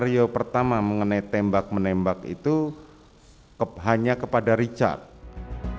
dan skenario pertama mengenai tembak menembak itu hanya kepada richard